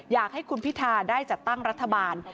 อยากให้คุณพิทาได้จัดตั้งรัฐบาล